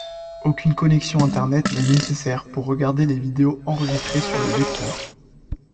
Aucune connexion internet n'est nécessaire pour regarder les vidéos enregistrées sur le lecteur.